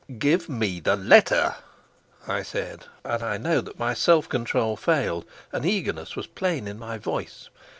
"Give me the letter," I said; and I know that my self control failed, and eagerness was plain in my voice.